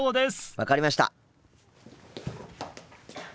分かりました！